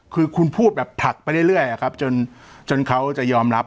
คือคุณพูดแบบผลักไปเรื่อยครับจนเขาจะยอมรับ